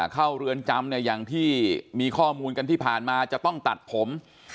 เรือนจำเนี่ยอย่างที่มีข้อมูลกันที่ผ่านมาจะต้องตัดผม